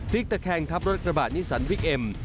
ตะแคงทับรถกระบะนิสันวิกเอ็ม